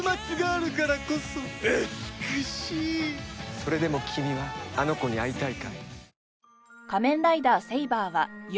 それでも君はあの子に会いたいかい？